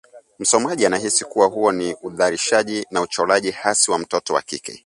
Msomaji anahisi kuwa huo ni udhalilishaji na uchoraji hasi wa mtoto wa kike